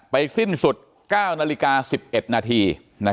สิ้นสุด๙นาฬิกา๑๑นาที